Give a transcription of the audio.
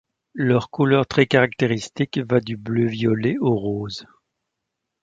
Leur couleur très caractéristique va du bleu violet au rose.